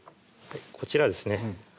こちらですね